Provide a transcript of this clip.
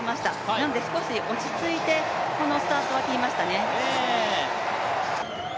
なので少し落ち着いてこのスタートは切りましたね。